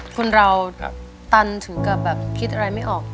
คนเราตันถึงกับแบบคิดอะไรไม่ออก